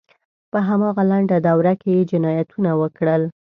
په همدغه لنډه دوره کې یې جنایتونه وکړل.